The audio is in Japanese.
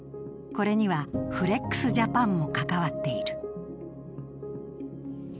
これにはフレックスジャパンも関わっている。